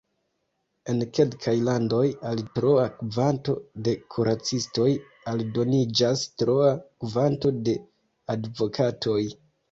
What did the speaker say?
En kelkaj landoj, al troa kvanto de kuracistoj aldoniĝas troa kvanto de advokatoj.